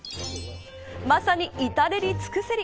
まさに至れり尽くせり。